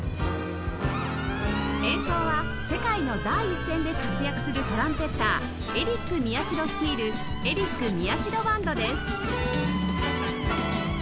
演奏は世界の第一線で活躍するトランペッターエリック・ミヤシロ率いるエリック・ミヤシロ・バンドです